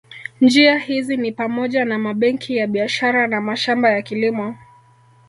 Njia hizi ni pamoja na mabenki ya biashara na mashamba ya kilimo